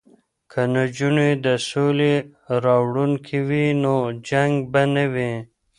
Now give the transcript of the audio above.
که نجونې د سولې راوړونکې وي نو جنګ به نه وي.